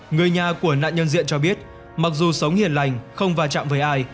người nhà của nạn nhân diện cho biết mặc dù sống hiền lành không va chạm với ai